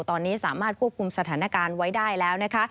ตอนนี้สามารถควบคุมสถานการณ์ไว้ได้แล้วนะคะ